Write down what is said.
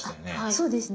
そうですね。